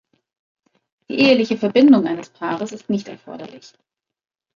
Die eheliche Verbindung eines Paares ist nicht erforderlich.